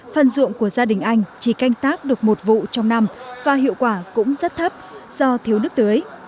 phần ruộng của gia đình anh chỉ canh tác được một vụ trong năm và hiệu quả cũng rất thấp do thiếu nước tưới